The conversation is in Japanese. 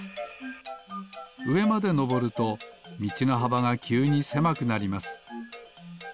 うえまでのぼるとみちのはばがきゅうにせまくなります。